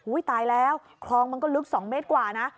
ตายแล้วคลองมันก็ลึก๒เมตรกว่านะ